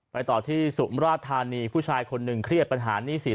ต่อที่สุมราชธานีผู้ชายคนหนึ่งเครียดปัญหาหนี้สิน